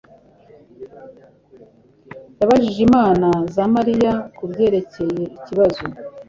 yabajije inama za Mariya kubyerekeye ikibazo.